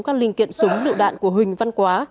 các linh kiện súng lựu đạn của huỳnh văn quá